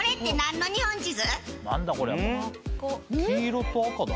黄色と赤だな。